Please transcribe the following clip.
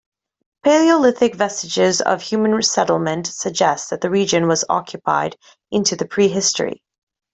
Paleolithic vestiges of human settlement suggest that the region was occupied into the pre-history.